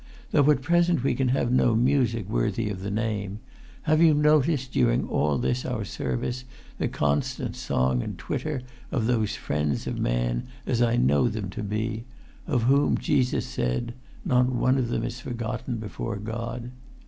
Though at present we can have no music worthy the name, have you not noticed, during all this our service, the constant song and twitter of those friends of man, as I know them to be, of whom Jesus said, 'Not one of them is forgotten before God'?